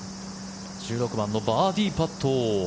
１６番のバーディーパット。